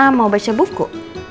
mama mau baca buku